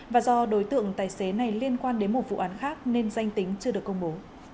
và do đối tượng tài xế này liên quan đến một vụ án khác nên danh tính chưa được công bố